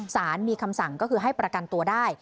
สารมีคำสั่งก็คือให้ประกันตัวได้